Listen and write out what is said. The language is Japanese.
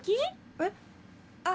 えっ。